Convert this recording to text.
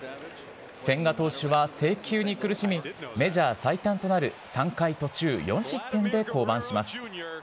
千賀投手は制球に苦しみ、メジャー最短となる３回途中４失点で降板します。